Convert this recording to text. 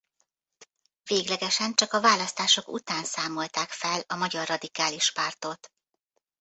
Véglegesen csak a választások után számolták fel a Magyar Radikális Pártot.